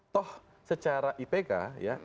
toh secara ipk ya